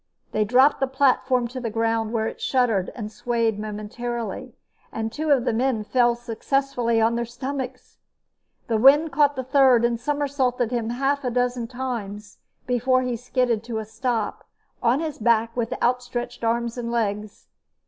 They dropped the platform to the ground, where it shuddered and swayed momentarily, and two of the men fell successfully on their stomachs. The wind caught the third and somersaulted him half a dozen times before he skidded to a stop on his back with outstretched arms and legs.